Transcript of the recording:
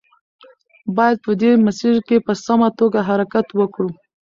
باید په دې مسیر کې په سمه توګه حرکت وکړو.